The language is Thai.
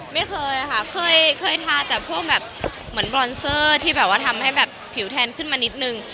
ไม่เคยค่ะเคยทาแต่พวกแบบเหมือนบรอนเซอร์ที่แบบว่าทำให้แบบผิวแทนขึ้นมานิดนึง